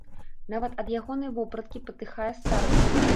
Нават ад ягонай вопраткі патыхае старасцю.